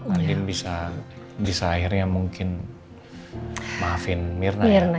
andin bisa akhirnya mungkin maafin mirna ya